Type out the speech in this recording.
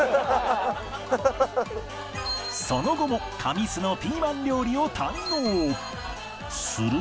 ［その後も神栖のピーマン料理を堪能］